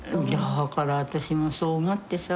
だから私もそう思ってさ。